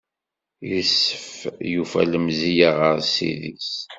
Yusef yufa lemzeyya ɣer Ssid-is.